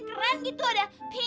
kenapa sih bajunya kayak gini